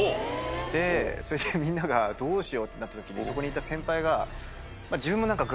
それでみんながどうしようってなった時にそこにいた。